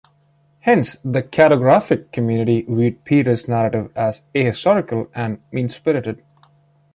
Hence the cartographic community viewed Peters's narrative as ahistorical and mean-spirited.